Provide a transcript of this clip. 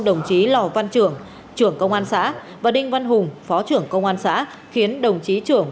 đồng chí lò văn trưởng trưởng công an xã và đinh văn hùng phó trưởng công an xã khiến đồng chí trưởng